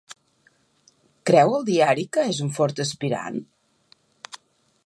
Creu el diari que és un fort aspirant?